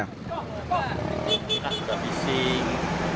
kita sudah bising